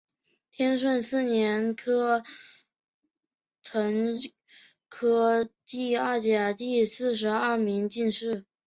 天顺四年庚辰科第二甲第四十二名进士。